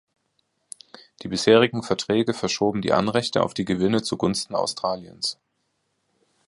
Die bisherigen Verträge verschoben die Anrechte auf die Gewinne zu Gunsten Australiens.